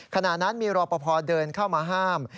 ขณะนั้นมีรอปภเดินเข้ามาห้าม